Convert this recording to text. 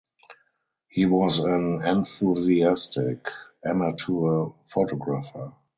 He was an enthusiastic amateur photographer.